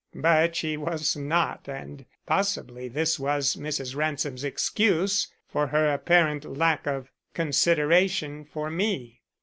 But she was not, and possibly this was Mrs. Ransom's excuse for her apparent lack of consideration for me.